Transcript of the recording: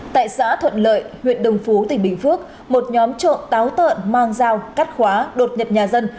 tại xã thuận lợi huyện đồng phú tỉnh bình phước một nhóm trộm táo tợn mang dao cắt khóa đột nhập nhà dân